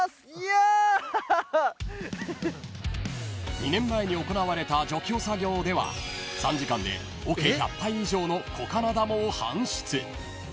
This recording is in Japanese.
［２年前に行われた除去作業では３時間でおけ１００杯以上のコカナダモを搬出］